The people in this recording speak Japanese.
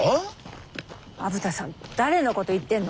虻田さん誰のこと言ってるの？